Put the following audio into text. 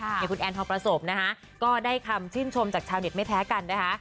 อย่างคุณแอนทองประสบนะคะก็ได้คำชื่นชมจากชาวเน็ตไม่แพ้กันนะคะ